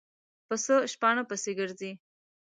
پسه شپانه پسې ګرځي.